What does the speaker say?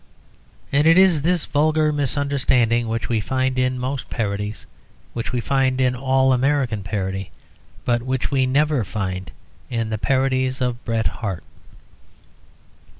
And it is this vulgar misunderstanding which we find in most parody which we find in all American parody but which we never find in the parodies of Bret Harte.